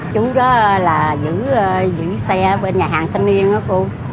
chú đó là giữ xe bên nhà hàng thanh niên đó cô